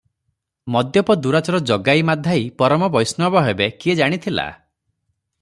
ମଦ୍ୟପ ଦୂରାଚର ଜଗାଇ ମାଧାଇ ପରମ ବୈଷ୍ଣବ ହେବେ, କିଏ ଜାଣିଥିଲା?